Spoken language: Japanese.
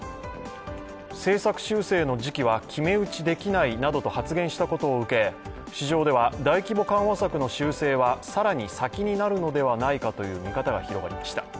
政策修正の時期は決め打ちできないなどと発言したことを受け市場では、大規模緩和策の修正は更に先になるのではないかとの見方が広がりました。